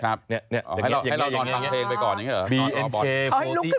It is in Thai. ให้เรานอนฟังเพลงไปก่อนอย่างเงี้ย